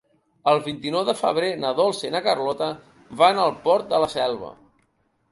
El vint-i-nou de febrer na Dolça i na Carlota van al Port de la Selva.